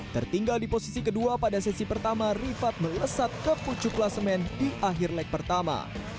tertinggal di posisi kedua pada sesi pertama rifat melesat ke pucuk kelasemen di akhir leg pertama